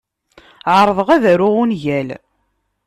Ɛerḍeɣ ad aruɣ ungal.